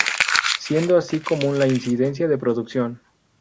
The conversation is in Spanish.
Siendo así común la incidencia de producción.